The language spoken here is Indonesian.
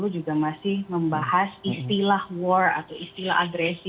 juga masih membahas istilah war atau istilah agresi